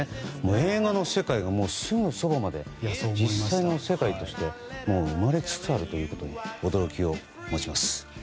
映画の世界がすぐそばまで実際の世界として生まれつつあるということに驚きを持ちます。